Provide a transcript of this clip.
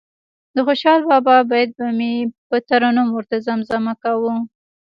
د خوشال بابا بیت به مې په ترنم ورته زمزمه کاوه.